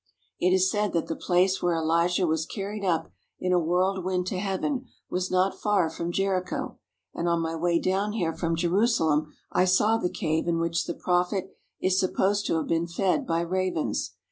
It is said that the place where Elijah was carried up in a whirlwind to heaven was not far from Jericho, and on my way down here from Jerusalem I saw the cave in which the prophet is supposed to have been fed by ravens.